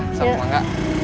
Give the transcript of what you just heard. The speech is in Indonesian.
ya sabu manga